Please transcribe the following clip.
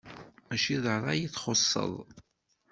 Mačči d ṛṛay i txuṣṣeḍ.